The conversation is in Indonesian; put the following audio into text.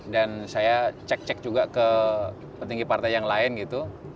dan saya cek cek juga ke petinggi partai yang lain gitu